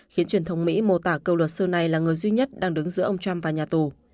khiến truyền thông mỹ mô tả câu luật sư này là người duy nhất đang đứng giữa ông trump và nhà tù